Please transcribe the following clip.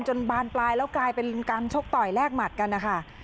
บานปลายแล้วกลายเป็นการชกต่อยแลกหมัดกันนะคะ